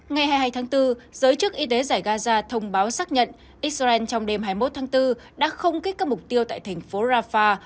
ngày hai mươi hai tháng bốn giới chức y tế giải gaza thông báo xác nhận israel trong đêm hai mươi một tháng bốn đã không kích các mục tiêu tại thành phố rafah